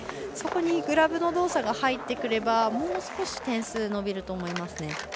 そこにグラブの動作が入ってくればもう少し点数伸びると思いますね。